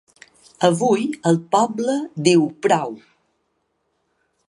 Avui el poble diu prou!